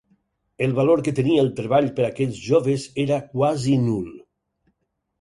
El valor que tenia el treball per aquells joves era quasi nul.